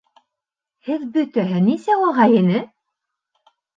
Һеҙ бөтәһе нисә ағай-эне?